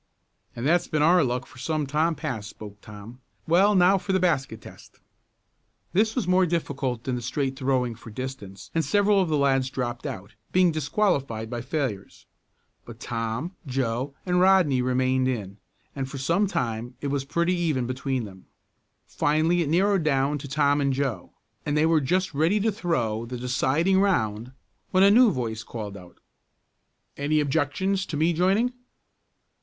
"And that's been our luck for some time past," spoke Tom. "Well, now for the basket test." This was more difficult than straight throwing for distance and several of the lads dropped out, being disqualified by failures. But Tom, Joe and Rodney remained in, and for a time it was pretty even between them. Finally it narrowed down to Tom and Joe, and they were just ready to throw the deciding round when a new voice called out: "Any objections to me joining?"